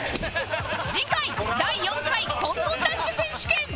次回第４回コンコンダッシュ選手権